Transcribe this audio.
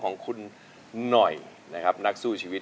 ก็ฉันพระพี่